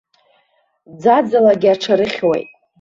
Ӡаӡалагьы аҽарыхьуеит.